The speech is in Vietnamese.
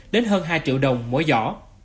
đến hơn hai triệu đồng mỗi giỏ